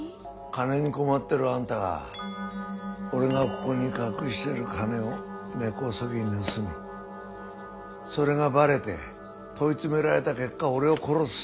金に困ってるあんたが俺がここに隠してる金を根こそぎ盗みそれがばれて問い詰められた結果俺を殺す。